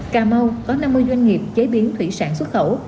cà mau có năm mươi doanh nghiệp chế biến thủy sản xuất khẩu